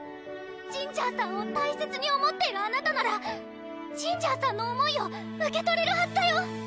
ジンジャーさんを大切に思っているあなたならジンジャーさんの思いを受け取れるはずだよ！